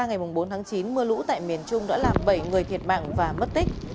ngày bốn tháng chín mưa lũ tại miền trung đã làm bảy người thiệt mạng và mất tích